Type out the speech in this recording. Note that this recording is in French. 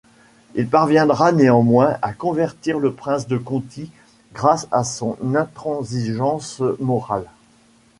Il parviendra néanmoins à convertir le prince de Conti grâce à son intransigeance morale.